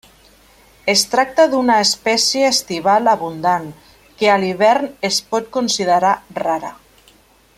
Es tracta d'una espècie estival abundant, que a l'hivern es pot considerar rara.